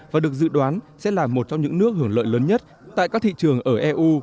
và được dự đoán sẽ là một trong những nước hưởng lợi lớn nhất tại các thị trường ở eu